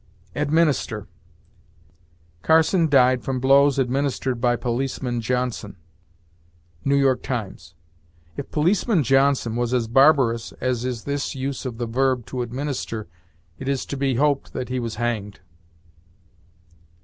ADMINISTER. "Carson died from blows administered by policeman Johnson." "New York Times." If policeman Johnson was as barbarous as is this use of the verb to administer, it is to be hoped that he was hanged.